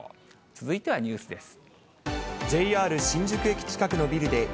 続いてはニュースです。